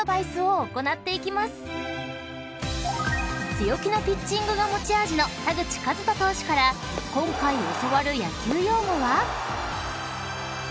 ［強気なピッチングが持ち味の田口麗斗投手から今回教わる野球用語は？］